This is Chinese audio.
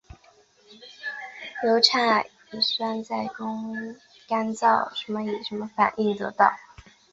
由溴乙醛在干燥溴化氢作用下与乙醇反应得到。